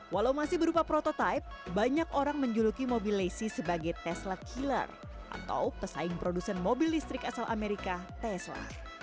walau masih berupa prototipe banyak orang menjuluki mobil lacy sebagai tesla killer atau pesaing produsen mobil listrik asal amerika tesla